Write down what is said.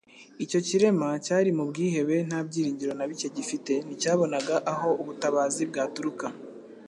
Icyo kirema cyari mu bwihebe nta byiringiro na bike gifite, nticyabonaga aho ubutabazi bwaturuka.